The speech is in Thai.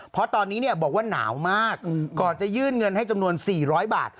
เพราะตอนนี้บอกว่าหนาวมากก่อนจะยื่นเงินให้จำนวน๔๐๐บาท